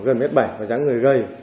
gần một m bảy và dáng người gầy